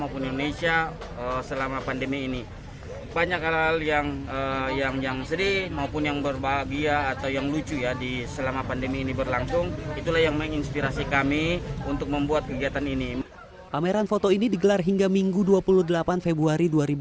pameran foto ini digelar hingga minggu dua puluh delapan februari dua ribu dua puluh